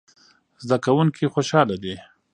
زده کوونکي خوشاله دي.